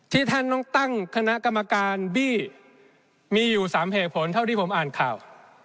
ท่านต้องตั้งคณะกรรมการบี้มีอยู่๓เหตุผลเท่าที่ผมอ่านข่าว